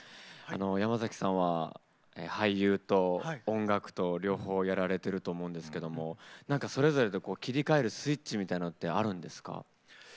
山崎さんは俳優と音楽と両方やられていると思うんですけどそれぞれで切り替えるスイッチみたいなのってあるんですか？